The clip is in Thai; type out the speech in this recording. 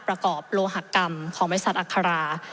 ประกอบโลหะกรรมของบัญศักดิ์อัครา